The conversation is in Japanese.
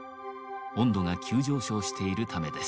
温度が急上昇しているためです。